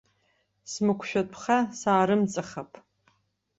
Смықәшәатәха саарымҵахап.